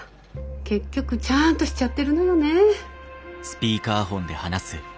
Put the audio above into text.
結局ちゃんとしちゃってるのよね。